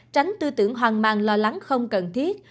tránh tư tưởng hoang mang lo lắng không cần thiết